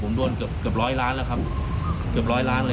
ผมโดนเกือบร้อยล้านแล้วครับ